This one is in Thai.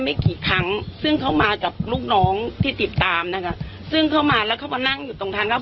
ไม่กี่ครั้งซึ่งเขามากับลูกน้องที่ติดตามนะคะซึ่งเข้ามาแล้วเขามานั่งอยู่ตรงทางแล้ว